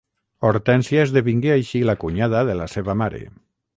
Hortènsia esdevingué així la cunyada de la seva mare.